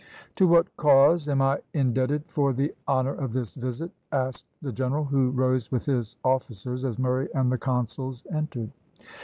"To what cause am I indebted for the honour of this visit?" asked the general, who rose with his officers as Murray and the consuls entered.